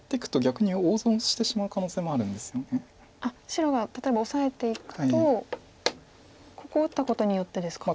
白が例えばオサえていくとここを打ったことによってですか。